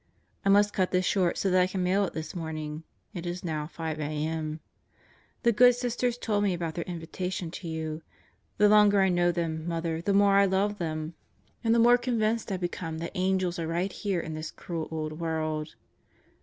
I must cut this short so that I can mail it this morning. It is now 5 a.m. The good Sisters told me about their invitation to you. The longer I know them, Mother, the more I love them and the more convinced 168 God Goes to Murderer's Row I become that angels are right here in this cruel old world.